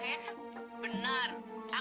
kalau dia jadi penyanyi dangdut tenar